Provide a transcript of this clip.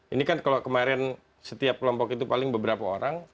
ini kan kalau kemarin setiap kelompok itu paling beberapa orang